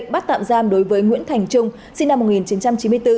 bắt tạm giam đối với nguyễn thành trung sinh năm một nghìn chín trăm chín mươi bốn